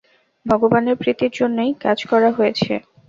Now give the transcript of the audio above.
ভগবানের প্রীতির জন্যই কাজ করা হয়েছে।